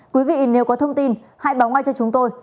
quý vị nếu có thông tin hãy báo ngay cho chúng tôi